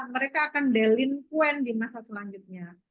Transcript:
mereka akan delin quen di masa selanjutnya